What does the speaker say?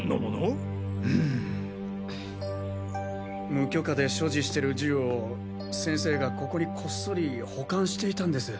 無許可で所持してる銃を先生がここにこっそり保管していたんです。